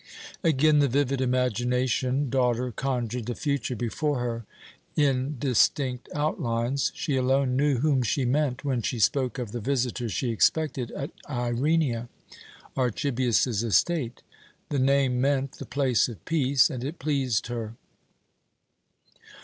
Again the vivid imagination daughter conjured the future before her in distinct outlines. She alone knew whom she meant when she spoke of the visitor she expected at Irenia, Archibius's estate. The name meant "The place of peace," and it pleased her.